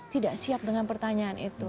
tidak siap dengan pertanyaan itu